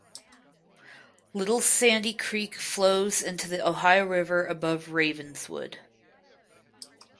Little Sandy Creek flows into the Ohio River above Ravenswood.